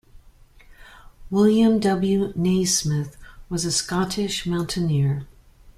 William W. Naismith was a Scottish mountaineer.